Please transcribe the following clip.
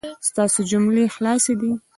ستاسو جملې خلاصې دي